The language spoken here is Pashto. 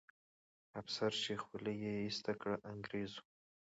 افسر چې خولۍ یې ایسته کړه، انګریزي وو.